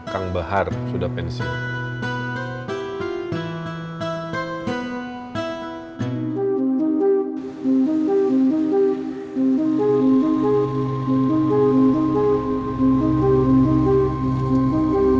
kang bahar sudah pensiun